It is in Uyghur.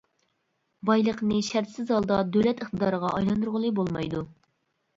بايلىقنى شەرتسىز ھالدا دۆلەت ئىقتىدارىغا ئايلاندۇرغىلى بولمايدۇ.